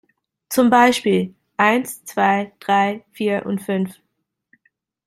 Zum Beispiel: Eins, zwei, drei, vier und fünf.